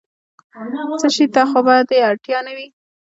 څه شي ته خو به دې اړتیا نه وي؟